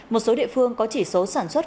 một số địa phương có chỉ số sản xuất